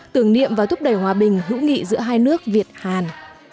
tưởng niệm và thúc đẩy hòa bình hữu nghị giữa hai nước việt hàn